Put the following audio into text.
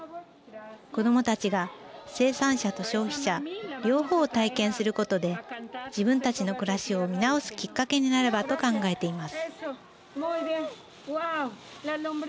子どもたちが生産者と消費者両方を体験することで自分たちの暮らしを見直すきっかけになればと考えています。